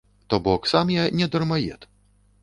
То бок сам я не дармаед.